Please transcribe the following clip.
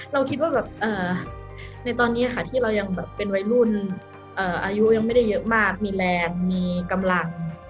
เราคิดว่าแบบในตอนนี้ค่ะที่เรายังแบบเป็นวัยรุ่นอายุยังไม่ได้เยอะมากมีแรงมีกำลัง